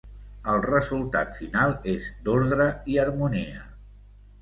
El resultat final és d'ordre i harmonia.